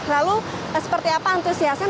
lalu seperti apa antusiasnya